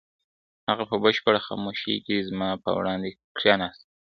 هغه په بشپړه خاموشۍ کې زما په وړاندې کښېناسته.